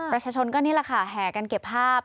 ประชาชนก็นี่แหละค่ะแห่กันเก็บภาพ